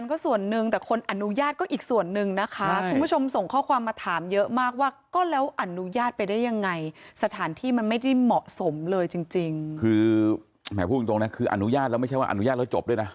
คือจริงคือแหมพูดจริงนะคืออนุญาตแล้วไม่ใช่ว่าอนุญาตแล้วจบด้วยนะ